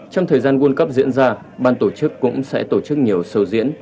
trong thời gian vuôn cấp diễn ra ban tổ chức cũng sẽ tổ chức nhiều sâu diễn